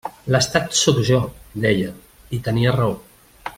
L'Estat sóc jo, deia; i tenia raó.